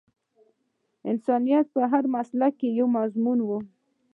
انسانيت په هر مسلک کې یو مضمون وای